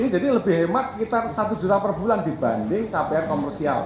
jadi lebih hemat sekitar satu juta per bulan dibanding kpr komersial